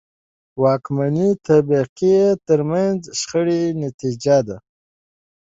د واکمنې طبقې ترمنځ د شخړې نتیجه ده.